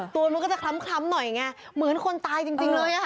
ตัวมันก็จะคล้ำหน่อยไงเหมือนคนตายจริงเลย